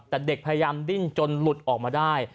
แต่เด็กพยายามดิ้นจนหลุดออกมาได้